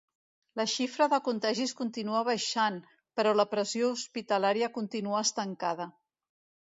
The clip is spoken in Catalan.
La xifra de contagis continua baixant, però la pressió hospitalària continua estancada.